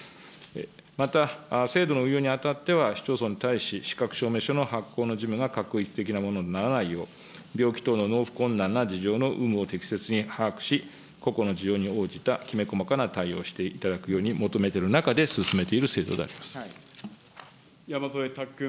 また、制度の運用にあたっては、市町村に対し、資格証明書の発行の事務が画一的なものにならないよう、病気等の納付困難な事情の有無を適切に把握し、個々の事情に応じた、きめ細かな対応をしていただくように求めている中で進めてい山添拓君。